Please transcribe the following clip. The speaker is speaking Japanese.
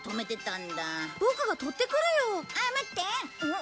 ん？